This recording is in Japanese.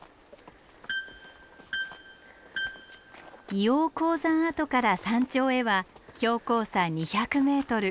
硫黄鉱山跡から山頂へは標高差２００ｍ